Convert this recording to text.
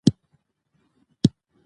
آیا غازیان پرې راوپارېدل؟